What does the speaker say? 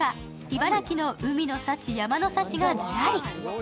茨城の海の幸・山の幸がズラリ。